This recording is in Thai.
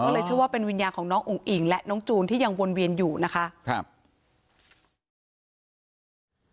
ก็เลยเชื่อว่าเป็นวิญญาณของน้องอุ๋งอิ่งและน้องจูนที่ยังวนเวียนอยู่นะคะครับ